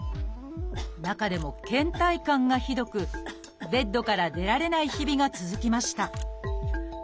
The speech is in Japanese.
中でもけん怠感がひどくベッドから出られない日々が続きました。